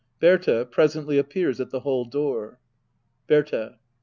Berta presently appears at the hall door, Berta.